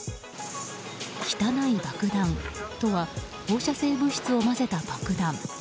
汚い爆弾とは放射性物質を混ぜた爆弾。